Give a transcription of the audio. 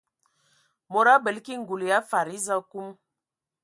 Mod abələ ki ngul ya fadi eza akum.